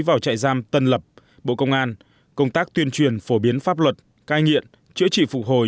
vào trại giam tân lập bộ công an công tác tuyên truyền phổ biến pháp luật cai nghiện chữa trị phục hồi